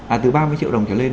à từ ba mươi triệu đồng trở lên